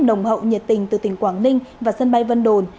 đồng hậu nhiệt tình từ tỉnh quảng ninh và sân bay vân đồn